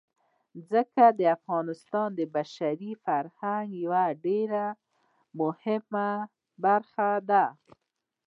ځمکه د افغانستان د بشري فرهنګ یوه ډېره مهمه برخه ده.